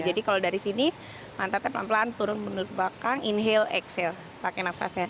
jadi kalau dari sini mantapnya pelan pelan turun menurut belakang inhale exhale pakai nafasnya